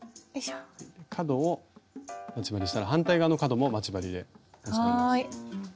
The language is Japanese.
角を待ち針したら反対側の角も待ち針で打ちます。